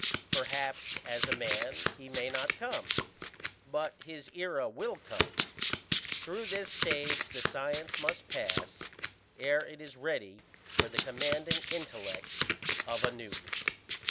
Perhaps as a man he may not come, but his era will come. Through this stage the science must pass, ere it is ready for the commanding intellect of a Newton.